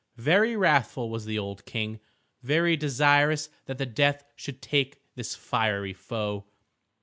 Very wrathful was the old King, very desirous that death should take his fiery foe.